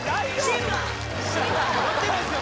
酔ってないです